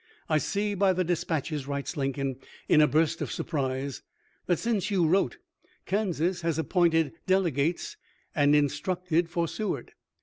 " I see by the dis patches," writes Lincoln, in a burst of surprise, " that, since you wrote, Kansas has appointed dele gates and instructed for Seward.